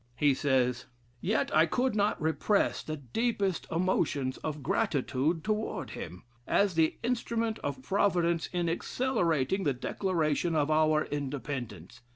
He says: "Yet I could not repress the deepest emotions of gratitude towards him, as the instrument of Providence in accelerating the declaration of our Independence.